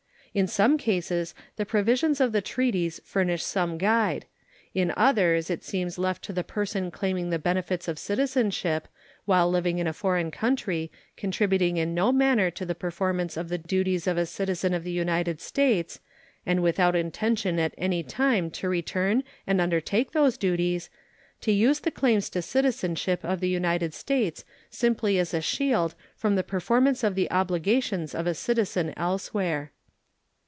In some cases the provisions of the treaties furnish some guide; in others it seems left to the person claiming the benefits of citizenship, while living in a foreign country, contributing in no manner to the performance of the duties of a citizen of the United States, and without intention at any time to return and undertake those duties, to use the claims to citizenship of the United States simply as a shield from the performance of the obligations of a citizen elsewhere.